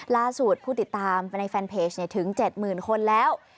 ล่าสุดผู้ติดตามในแฟนเพจถึง๗หมื่นคนแล้ว